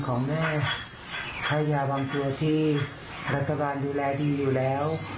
ของแม่ให้ยาบางตัวที่รัฐบาลดูแลดีอยู่แล้ว